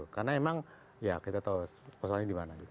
karena memang ya kita tahu persoalannya di mana